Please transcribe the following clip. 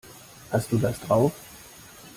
Hast du das drauf?